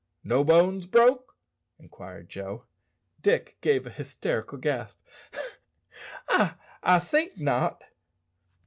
"No bones broke?" inquired Joe. Dick gave a hysterical gasp. "I I think not."